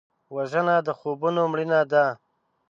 وژنه د خوبونو مړینه ده